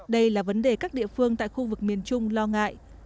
đây là vấn đề các địa phương tại khu vực miền trung lo ngại